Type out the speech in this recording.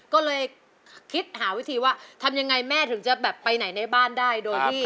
ก็เลยคิดหาวิธีว่าทำอย่างไรแม่ถึงจะไปไหนในบ้านได้